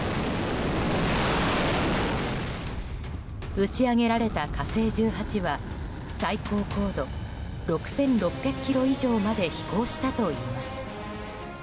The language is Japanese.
打ち上げられた「火星１８」は最高高度６６００ｋｍ以上まで飛行したといいます。